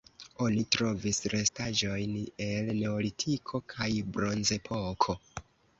Oni trovis restaĵojn el Neolitiko kaj Bronzepoko.